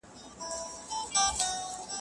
د مقالي هره برخه جلا جلا کتل کېږي.